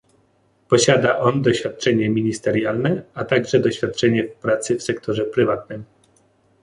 Posiada on doświadczenie ministerialne, a także doświadczenie w pracy w sektorze prywatnym